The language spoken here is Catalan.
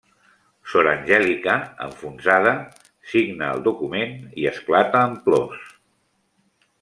Sor Angèlica, enfonsada, signa el document i esclata en plors.